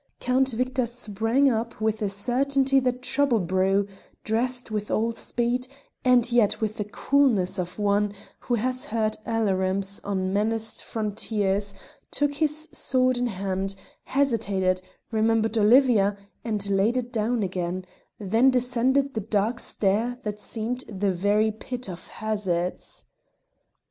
Count Victor sprang up with a certainty that trouble brew, dressed with all speed, and yet with the coolness of one who has heard alarums on menaced frontiers; took his sword in hand, hesitated, remembered Olivia, and laid it down again; then descended the dark stair that seemed the very pit of hazards.